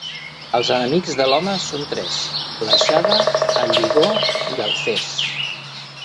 Els enemics de l'home són tres: l'aixada, el lligó i el fes.